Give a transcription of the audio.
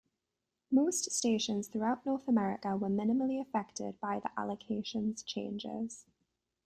Most stations throughout North America were minimally affected by the allocations changes.